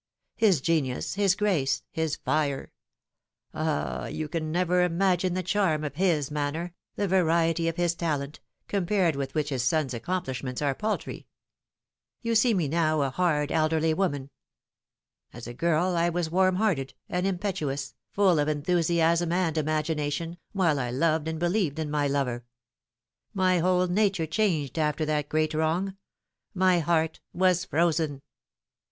His genius, his grace, his fire ah, you can never imagine the charm of his manner, the variety of his talent, compared with which his son's accomplishments are paltry. You see me now a Viard, elderly woman. As a girl I was warm hearted and im petuous, full of enthusiasm and imagination, while I loved and believed in my lover. My whole nature changed after that great wrong my heart was frozen."